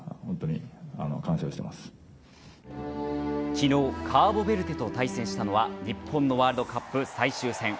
昨日カーボベルデと対戦したのは日本のワールドカップ最終戦。